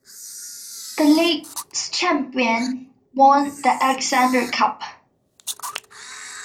The league's champion won the Alexander Cup.